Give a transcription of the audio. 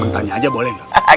tanya aja boleh gak